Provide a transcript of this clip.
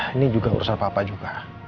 ini juga urusan papa juga